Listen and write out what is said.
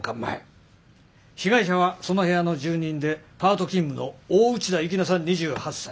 被害者はその部屋の住人でパート勤務の大内田幸那さん２８歳。